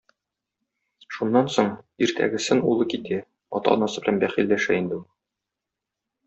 Шуннан соң, иртәгесен улы китә, атасы-анасы белән бәхилләшә инде бу.